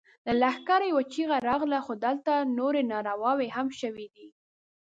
له لښکره يوه چيغه راغله! خو دلته نورې نارواوې هم شوې دي.